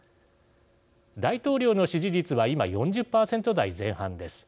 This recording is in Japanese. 大統領の支持率は今４０％台前半です。